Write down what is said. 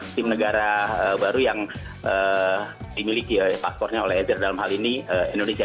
tim negara baru yang dimiliki paspornya oleh ezer dalam hal ini indonesia